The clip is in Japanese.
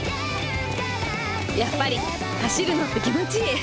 やっぱり走るのって気持ちいい！